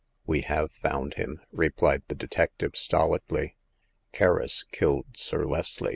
We have found him," replied the detective, stolidly. Kerris killed Sir Leslie."